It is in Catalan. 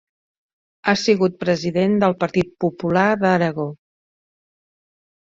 Ha sigut president del Partit Popular d'Aragó.